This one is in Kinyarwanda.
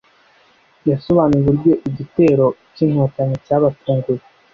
yasobanuye uburyo igitero cy'Inkotanyi cyabatunguye